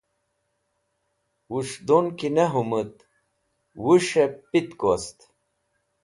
Wẽs̃hdun ki ne hũmit wus̃hẽb pitk wost